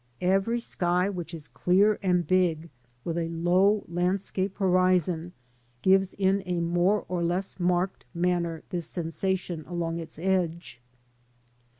Every sky which is clear and big with a low landscape horizon gives in a more or less marked manner this sensation along its edge.